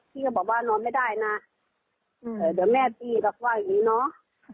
พี่ก็บอกว่านอนไม่ได้นะแต่เดี๋ยวแม่พี่ก็ว่าอย่างนี้เนาะ